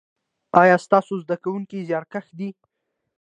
ایا ستاسو زده کونکي زیارکښ دي؟